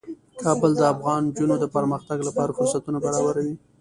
کابل د افغان نجونو د پرمختګ لپاره فرصتونه برابروي.